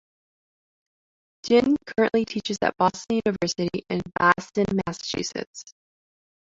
Jin currently teaches at Boston University in Boston, Massachusetts.